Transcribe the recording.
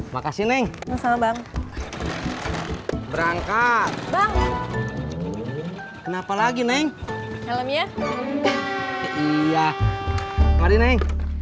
makasih neng sama bang berangkat bang kenapa lagi neng kalemnya iya hari ini